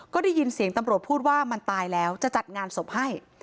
ก็ได้ยินเสียงตำรวจพูดว่ามันตายแล้วจะจัดงานศพให้